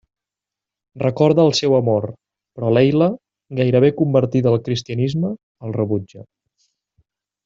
Recorda el seu amor, però Leila, gairebé convertida al cristianisme, el rebutja.